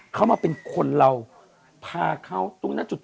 เขามาเป็นคนเราพาเขาตรงหน้าจุด